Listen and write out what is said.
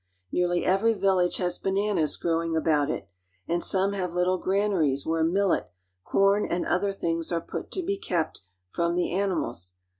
Nearly every village has bananas growing ^^^B about it, and some have little granaries where millet, corn, ^^^1 and other things are put to be kept from the animals.